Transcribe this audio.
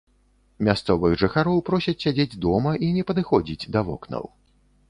Мясцовых жыхароў просяць сядзець дома і не падыходзіць да вокнаў.